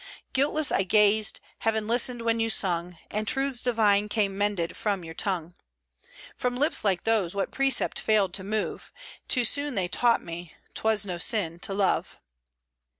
Guiltless I gazed; heaven listened when you sung, And truths divine came mended from your tongue. From lips like those, what precept failed to move? Too soon they taught me 't was no sin to love."